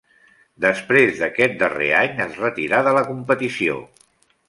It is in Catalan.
Després d'aquest darrer any es retirà de la competició.